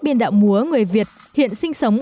biên đạo múa người việt hiện sinh sống